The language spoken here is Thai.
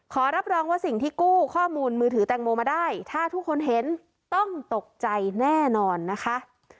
ขอรับรองว่าสิ่งที่กู้ข้อมูลมือถือแตงโมมาได้ถ้าทุกคนเห็นต้องตกใจแน่นอนนะคะ